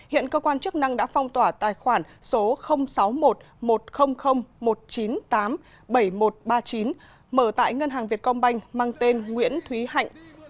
hiện cơ quan chức năng đã phong tỏa tài khoản số sáu mươi một một trăm linh một trăm chín mươi tám bảy nghìn một trăm ba mươi chín mở tại ngân hàng việt công banh mang tên nguyễn thúy hạnh